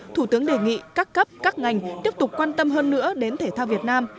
thủ tướng đề nghị các cấp các ngành tiếp tục quan tâm hơn nữa đến thể thao việt nam